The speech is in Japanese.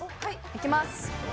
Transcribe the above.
いきます。